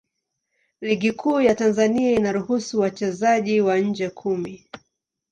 Ligi Kuu ya Tanzania inaruhusu wachezaji wa nje kumi.